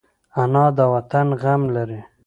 انا د وطن غم لري